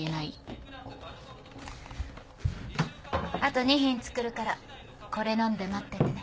あと２品作るからこれ飲んで待っててね。